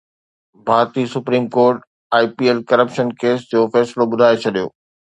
ڀارتي supreme court I P L corruption case جو فيصلو ٻڌائي ڇڏيو